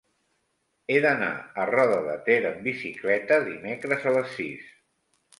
He d'anar a Roda de Ter amb bicicleta dimecres a les sis.